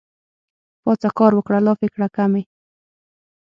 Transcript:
پاڅه کار وکړه لافې کړه کمې